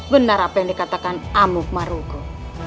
benar apa yang dikatakan amuk maroko